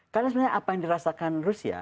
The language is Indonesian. karena sebenarnya apa yang dirasakan rusia